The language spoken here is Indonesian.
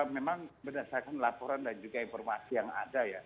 memang berdasarkan laporan dan juga informasi yang ada ya